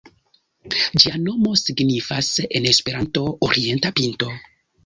Ĝia nomo signifas en Esperanto Orienta Pinto.